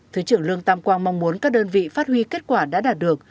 thứ trưởng lương tam quang mong muốn các đơn vị phát huy kết quả đã đạt được